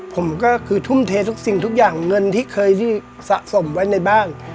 ผมก็คือทุ่มเททุกสิ่งทุกอย่างเงินที่เคยสะสมไว้ในบ้าน